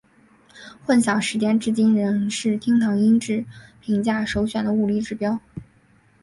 混响时间至今仍是厅堂音质评价首选的物理指标。